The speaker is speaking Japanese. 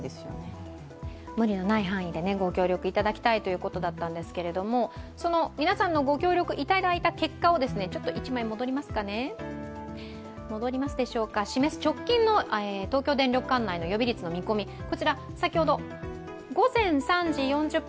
無理のない範囲でご協力いただきたいということだったんですけれども、皆さんのご協力いただいた結果を示す直近の東京電力管内の予備率の見込みです。